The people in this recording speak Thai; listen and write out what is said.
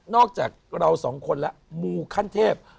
อกจากเราสองคนแล้วมูขั้นเทพ